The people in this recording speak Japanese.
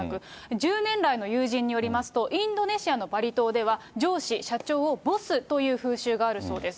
１０年来の友人によりますと、インドネシアのバリ島では、上司、社長をボスという風習があるそうです。